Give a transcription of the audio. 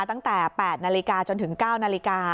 ตั้งแต่๘นาฬิกาจนถึง๙นาฬิกา